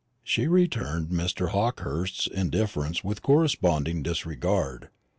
She returned Mr. Hawkehurst's indifference with corresponding disregard.